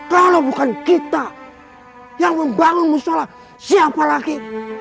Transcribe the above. kalau bukan kita yang membangun musola siapa lagi